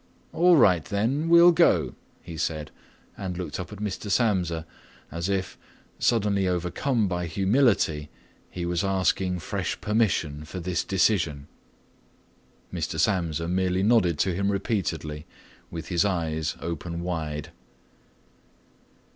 "All right, then we'll go," he said and looked up at Mr. Samsa as if, suddenly overcome by humility, he was asking fresh permission for this decision. Mr. Samsa merely nodded to him repeatedly with his eyes open wide.